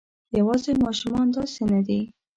یواځې ماشومان داسې نه دي.